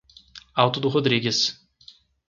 Alto do Rodrigues